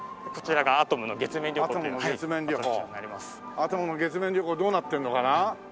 アトムの月面旅行どうなってんのかな？